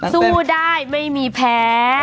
สู้ได้ไม่มีแพ้